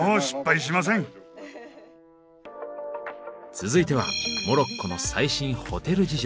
続いてはモロッコの最新ホテル事情。